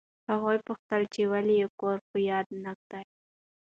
هغوی پوښتل چې ولې یې کور په یاد نه دی.